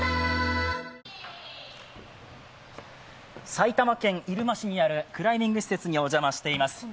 埼玉県入間市にあるクライミング施設にお邪魔しています。